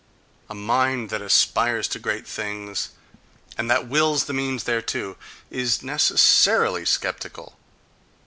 A mind that aspires to great things, and that wills the means thereto, is necessarily sceptical.